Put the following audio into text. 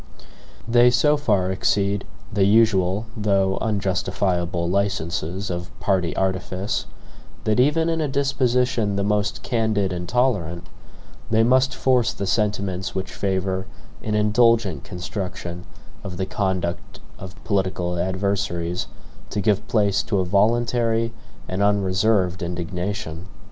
They so far exceed the usual though unjustifiable licenses of party artifice, that even in a disposition the most candid and tolerant, they must force the sentiments which favor an indulgent construction of the conduct of political adversaries to give place to a voluntary and unreserved indignation.